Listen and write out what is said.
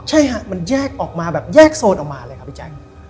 ใช่ฮะมันแยกออกมาแบบแยกโซนออกมาเลยครับพี่แจ๊ค